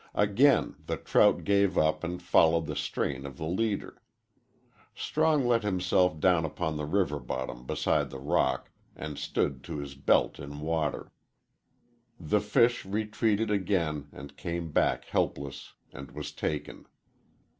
Again the trout gave up and followed the strain of the leader. Strong let himself down upon the river bottom beside the rock, and stood to his belt in water. The fish retreated again and came back helpless and was taken.